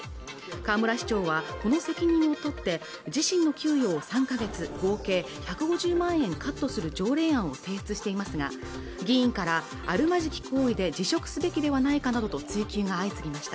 河村市長はこの責任を取って自身の給与を３か月合計１５０万円カットする条例案を提出していますが議員からあるまじき行為で辞職すべきではないかなどと追及が相次ぎました